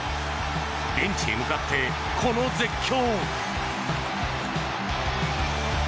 ベンチへ向かってこの絶叫！